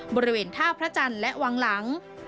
บริเวณท่าพระจันทร์และวังหลัง